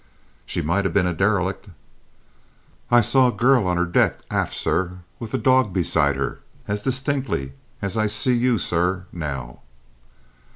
"She might have been a derelict." "I saw a girl on her deck aft, sir, with a dog beside her, as distinctly as I see you, sir, now!"